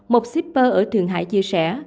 một shipper ở thượng hải chia sẻ